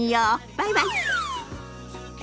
バイバイ。